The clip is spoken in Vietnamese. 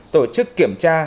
tổ chức kiểm tra